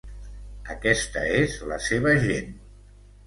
Aquesta és la seva gent.